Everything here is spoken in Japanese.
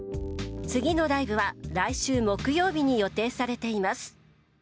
次のライブは来週木曜日に予定されています。